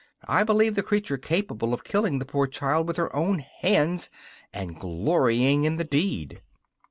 I believe the creature capable of killing the poor child with her own hands, and glorying in the deed!